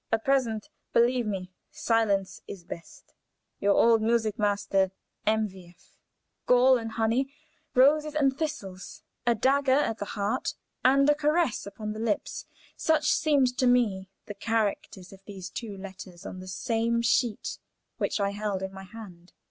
At present, believe me, silence is best. "Your old music master, "M. v. F." Gall and honey, roses and thistles, a dagger at the heart and a caress upon the lips; such seemed to me the characters of the two letters on the same sheet which I held in my hand.